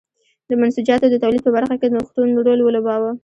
د منسوجاتو د تولید په برخه کې نوښتونو رول ولوباوه.